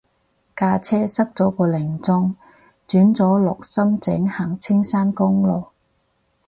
架車塞咗個零鐘轉咗落深井行青山公路